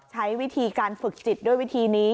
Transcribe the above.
ใช้วิธีการฝึกจิตด้วยวิธีนี้